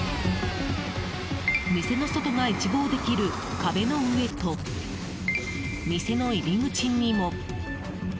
店の外が一望できる壁の上と店の入り口にも。